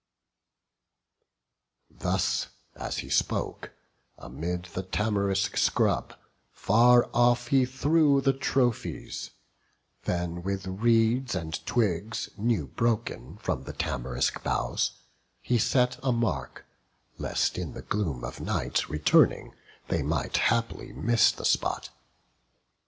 Thus as he spoke, amid the tamarisk scrub Far off he threw the trophies; then with reeds, And twigs new broken from the tamarisk boughs, He set a mark, lest in the gloom of night Returning, they might haply miss the spot.